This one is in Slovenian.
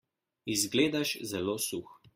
Izgledaš zelo suh.